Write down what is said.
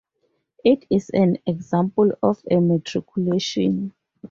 It is an example of a matriculation.